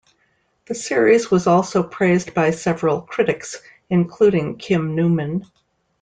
The series was also praised by several critics, including Kim Newman.